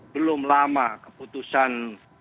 belum lama keputusan